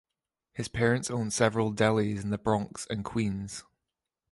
His parents owned several delis in the Bronx and Queens.